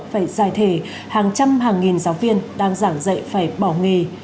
phải giải thể hàng trăm hàng nghìn giáo viên đang giảng dạy phải bỏ nghề